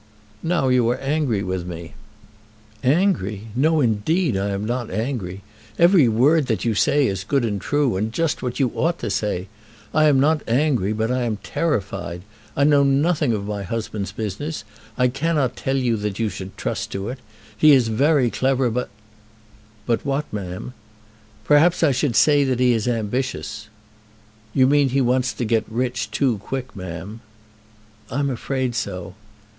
"Now you are angry with me." "Angry! No; indeed I am not angry. Every word that you say is good, and true, and just what you ought to say. I am not angry, but I am terrified. I know nothing of my husband's business. I cannot tell you that you should trust to it. He is very clever, but " "But what, ma'am?" "Perhaps I should say that he is ambitious." "You mean he wants to get rich too quick, ma'am." "I'm afraid so."